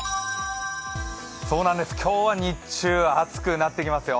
今日は日中、暑くなっていきますよ。